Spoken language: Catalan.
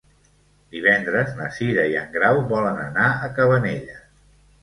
Divendres na Cira i en Grau volen anar a Cabanelles.